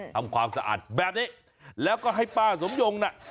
ทำความสะอาดแบบนี้แล้วก็ให้ป้าสมยงน่ะ